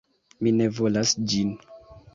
Mi ne volas ĝin!